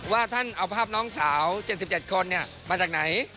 ว่าท่านเอาภาพน้องสาว๗๗คนมาจากไหน